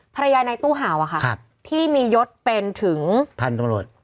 ภรรยายในตู้หาว่าค่ะที่มียศเป็นถึงพันธุ์ตำรวจ